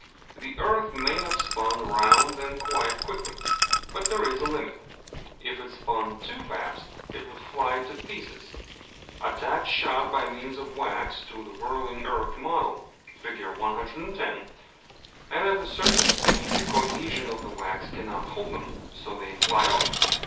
The earth may have spun round then quite quickly. But there is a limit. If it spun too fast it would fly to pieces. Attach shot by means of wax to the whirling earth model, Fig. 110, and at a certain speed the cohesion of the wax cannot hold them, so they fly off.